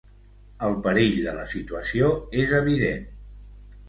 El perill de la situació és evident.